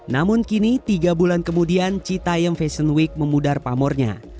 namun kini tiga bulan kemudian citayam fashion week memudar pamornya